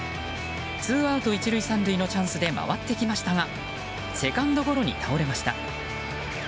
ツーアウト１塁３塁のチャンスで回ってきましたがセカンドゴロに倒れました。